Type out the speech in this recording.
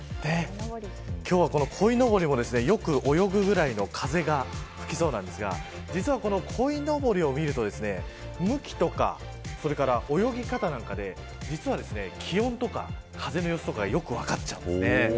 今日は、このこいのぼりもよく泳ぐぐらいの風が吹きそうですがこのこいのぼりを見ると向きとか泳ぎ方で気温とか風の様子がよく分かってしまうんです。